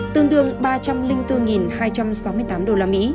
tương đương ba trăm linh bốn hai trăm sáu mươi tám usd